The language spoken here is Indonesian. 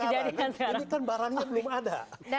tapi kan barangnya belum ada